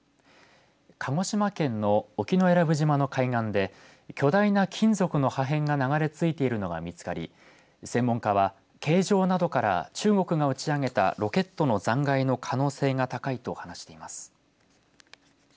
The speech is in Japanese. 鹿児島県の沖永良部島の海岸で巨大な金属の破片が流れ着いているのが見つかり専門家は形状などから中国が打ち上げたロケットの残骸の可能性が高いと話しています。